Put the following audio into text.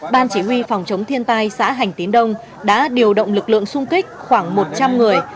ban chỉ huy phòng chống thiên tai xã hành tín đông đã điều động lực lượng sung kích khoảng một trăm linh người